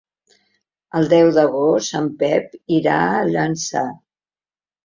El deu d'agost en Pep irà a Llançà.